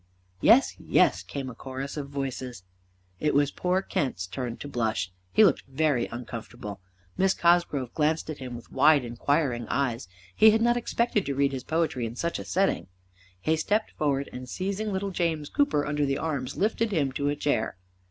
"Yes, yes," came a chorus of voices. It was poor Kent's turn to blush. He looked very uncomfortable. Miss Cosgrove glanced at him with wide inquiring eyes. He had not expected to read his poetry in such a setting. He stepped forward, and seizing little James Cooper under the arms lifted him to a chair.